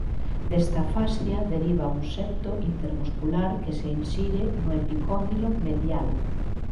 Desta fascia deriva un septo intermuscular que se insire no epicóndilo medial.